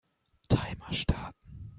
Timer starten.